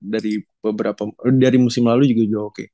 dari musim lalu juga oke